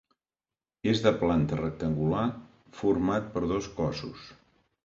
És de planta rectangular, format per dos cossos.